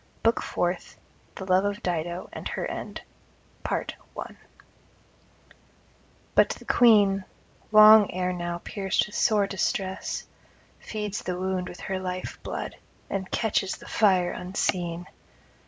BOOK FOURTH THE LOVE OF DIDO, AND HER END But the Queen, long ere now pierced with sore distress, feeds the wound with her life blood, and catches the fire unseen.